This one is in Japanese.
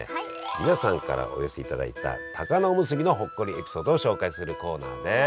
皆さんからお寄せいただいた高菜おむすびのほっこりエピソードを紹介するコーナーです。